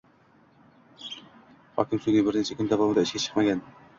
Hokim soʻnggi bir necha kun davomida ishga chiqmagan.